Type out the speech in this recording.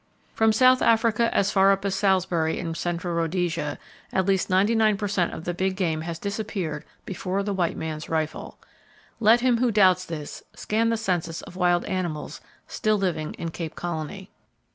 From South Africa, as far up as Salisbury, in central Rhodesia, at least 99 per cent of the big game has disappeared before the white man's rifle. Let him who doubts this scan the census of wild animals still living in Cape Colony.